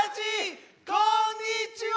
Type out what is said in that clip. わこんにちは！